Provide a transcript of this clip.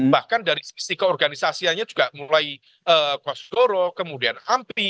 bahkan dari sisi keorganisasiannya juga mulai kosgoro kemudian ampi